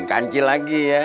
kancil lagi ya